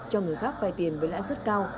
cho người khác vai tiền với lãi suất cao